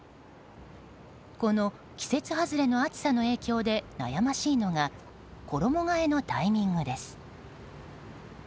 この季節外れの暑さの影響で悩ましいのが衣替えのタイミングです。